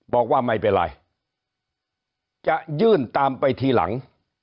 บอกว่าไม่เป็นไรจะยื่นตามไปทีหลัง